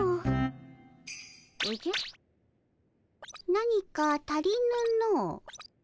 何か足りぬの。